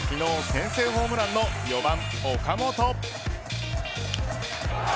先制ホームランの４番、岡本。